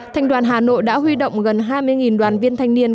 thành đoàn hà nội đã huy động gần hai mươi đoàn viên thanh niên